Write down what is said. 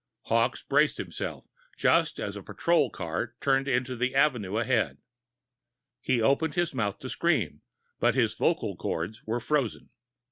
Hawkes braced himself, just as a patrol car turned onto the Avenue ahead. He opened his mouth to scream, but his vocal cords were frozen.